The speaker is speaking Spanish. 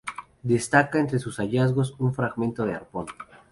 Destaca entre sus hallazgos un fragmento de arpón.